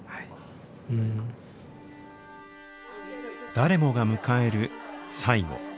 誰もが迎える最期。